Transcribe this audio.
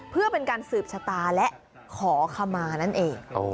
เพื่อเป็นการสืบชะตาและขอขมานั่นเอง